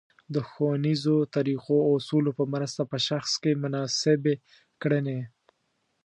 د ښونیزو طریقو او اصولو په مرسته په شخص کې مناسبې کړنې